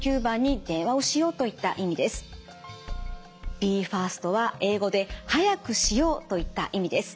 ＢＥＦＡＳＴは英語で「早くしよう」といった意味です。